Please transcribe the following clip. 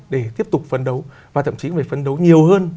để tiếp tục phấn đấu và thậm chí cũng phải phấn đấu nhiều hơn